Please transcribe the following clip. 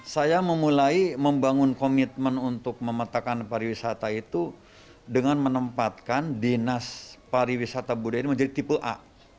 saya memulai membangun komitmen untuk memetakan para wisata itu dengan menempatkan dinas para wisata budaya menjadi tipe a